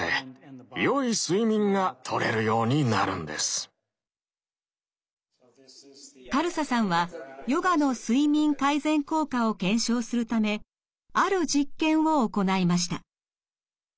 ハーバード大学のカルサさんはヨガの睡眠改善効果を検証するためある実験を行いました。